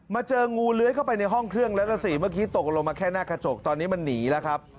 เจองูเลื้อยเข้าไปในห้องเครื่องแล้วล่ะสิเมื่อกี้ตกลงมาแค่หน้ากระจกตอนนี้มันหนีแล้วครับ